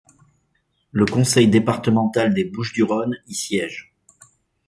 Le Conseil départemental des Bouches-du-Rhône y siège.